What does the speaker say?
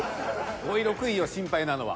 ５位６位よ心配なのは。